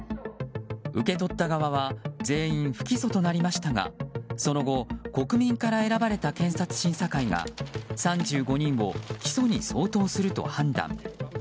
受け取った側は全員不起訴となりましたがその後、国民から選ばれた検察審査会が３５人を起訴に相当すると判断。